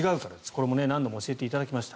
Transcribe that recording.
これも何度も教えていただきました。